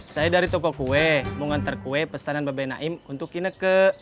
saya dari toko kue mau ngantar kue pesanan bapak naim untuk ineke